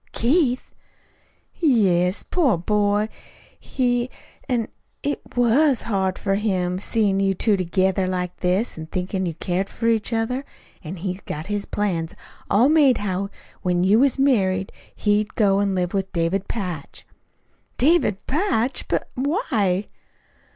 "Keith!" "Yes poor boy, he an' it WAS hard for him, seein' you two together like this, an' thinkin' you cared for each other. An' he'd got his plans all made how when you was married he'd go an' live with David Patch." "David Patch! But why?"